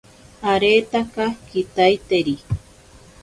Aretaka kitaiteri.